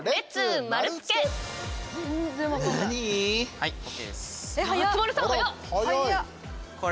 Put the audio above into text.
はいＯＫです。